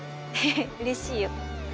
うれしいよ。